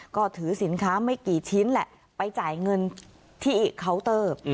ก็ถือสินค้าไม่กี่ชิ้นแหละไปจ่ายเงินที่เคาน์เตอร์